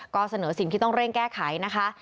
ก็เสนอสิ่งที่ต้องเร่งแก้ไขนะคะ